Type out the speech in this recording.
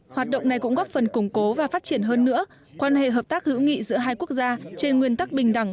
hoạt động này cũng góp phần củng cố và phát triển hơn nữa quan hệ hợp tác hữu nghị giữa hai quốc gia trên nguyên tắc bình đẳng